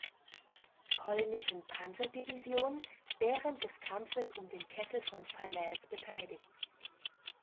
Polnischen Panzerdivision während des Kampfes um den Kessel von Falaise beteiligt.